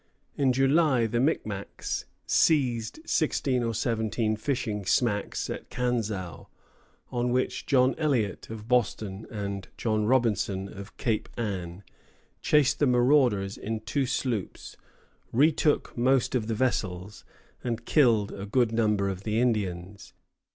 In July the Micmacs seized sixteen or seventeen fishing smacks at Canseau; on which John Eliot, of Boston, and John Robinson, of Cape Ann, chased the marauders in two sloops, retook most of the vessels, and killed a good number of the Indians.